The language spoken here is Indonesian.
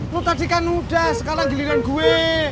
lo tadi kan udah sekarang giliran gue